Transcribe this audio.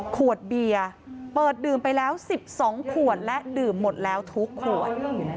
ขวดเบียร์เปิดดื่มไปแล้ว๑๒ขวดและดื่มหมดแล้วทุกขวด